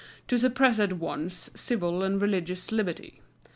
to suppress at once civil and religious liberty.